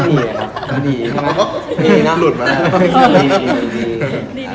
แต่มันอยู่ที่ความเอาแต่ใจมากกว่า